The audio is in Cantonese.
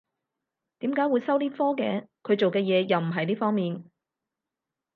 點解會收呢科嘅？佢做嘅嘢又唔係呢方面